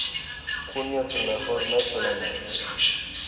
Junio es el mejor mes del año.